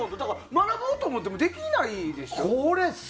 学ぼうと思ってもできないでしょ。